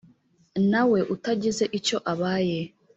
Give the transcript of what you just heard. nawe utagize icyo abaye